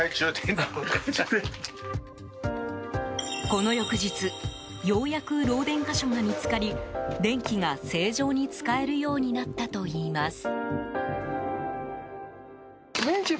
この翌日ようやく漏電箇所が見つかり電気が、正常に使えるようになったといいます。